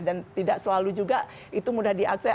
dan tidak selalu juga itu mudah diakses